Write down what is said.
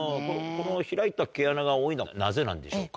この開いた毛穴が多いのはなぜなんでしょうか？